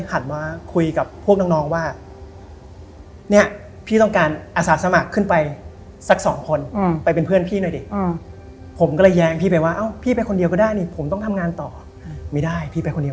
หลังผมเนี่ยมันจะเป็นตรงข้างเนี่ย